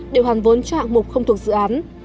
để hoàn vốn cho hạng mục không thuộc dự án